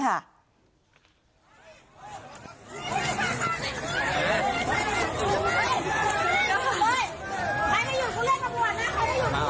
เห็นไหมคะลูกศรผู้ก่อเหตุคือเสื้อสีขาวอ่ะค่ะ